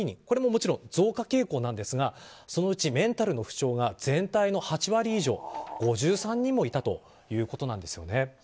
これも増加傾向ですがそのうちメンタルの不調が全体の８割以上の５３人もいたということなんです。